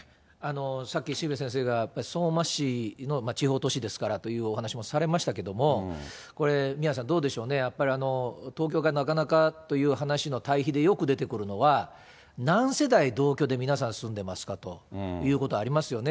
さっき渋谷先生が相馬市の地方都市ですからというお話もされましたけども、これ、宮根さん、どうでしょうね、やっぱり東京がなかなかという話の対比で、よく出てくるのは、何世代同居で皆さん住んでますかということありますよね。